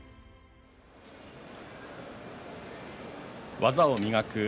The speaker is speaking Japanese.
「技を磨く」